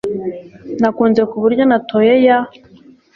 nakunze kuburyo natoye ya